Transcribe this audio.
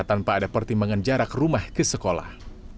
tanpa ada pertimbangan jarak rumah ke sekolah